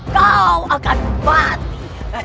kau akan mati